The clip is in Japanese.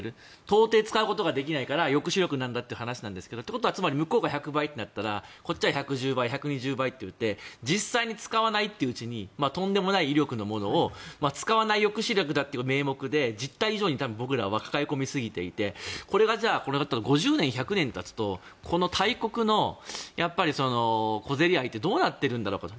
到底使うことができないから抑止力になるんだという話なんですがということは向こうが１００倍になったらこっちは１１０倍１２０倍となっていって実際に使わないと言ううちにとんでもない威力のものを使わない抑止力という名目で実態以上に僕らは抱え込みすぎていてこれが５０年１００年たつとこの大国の小競り合いってどうなっているんだろうと。